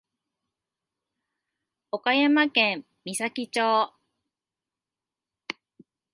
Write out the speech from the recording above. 岡山県美咲町